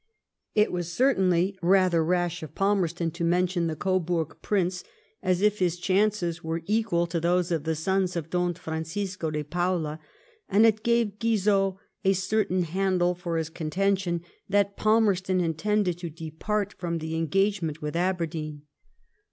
It was certainly rather rash of Palmerston to mention the Coburg prince as if his chances were equal to those of the sons of Don Francisco de Paula, and it gave Guizot a certain handle for his contention that Palmerston intended to depart from the engagement with Aberdeen.